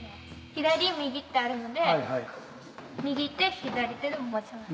左右ってあるので右手左手で持ちます。